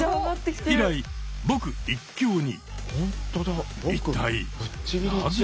以来「ぼく」一強に。